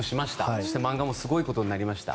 そして漫画もすごいことになりました。